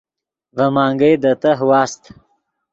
ڤے منگئے دے تہہ واست